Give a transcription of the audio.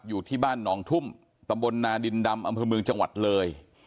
อยู่ที่บ้านหนองทุ่มตำบลนาดินดำอำเภอเมืองจังหวัดเลย